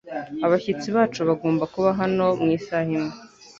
Abashyitsi bacu bagomba kuba hano mu isaha imwe .